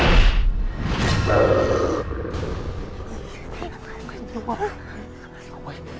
ทำไงดีกว่า